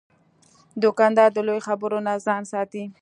دوکاندار د لویو خبرو نه ځان ساتي.